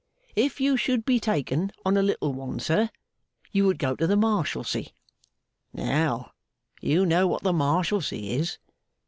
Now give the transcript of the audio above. If you should be taken on a little one, sir, you would go to the Marshalsea. Now, you know what the Marshalsea is.